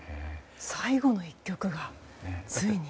最後の１曲が、ついに。